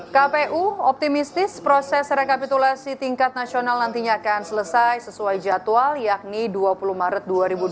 kpu optimistis proses rekapitulasi tingkat nasional nantinya akan selesai sesuai jadwal yakni dua puluh maret dua ribu dua puluh